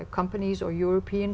có ai không